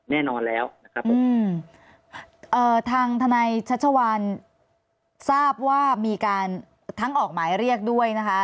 แน่นอนแล้วนะครับผมเอ่อทางทนายชัชวานทราบว่ามีการทั้งออกหมายเรียกด้วยนะคะ